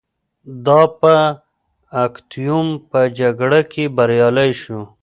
دا په اکتیوم په جګړه کې بریالی شو